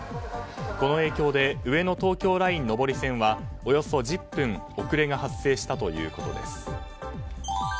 この影響で上野東京ライン上り線はおよそ１０分遅れが発生したということです。